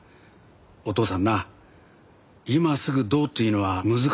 お父さんな今すぐどうっていうのは難しそうなんだ。